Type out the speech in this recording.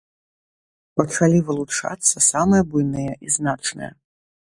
Пачалі вылучацца самыя буйныя і значныя.